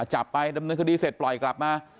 จับไปดำเนินคดีเสร็จปล่อยกลับมา